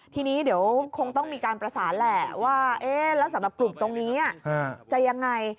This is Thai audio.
ทีนี้เดี๋ยวคงต้องมีการประสานแหละว่าแล้วสำหรับกลุ่มตรงนี้จะยังไง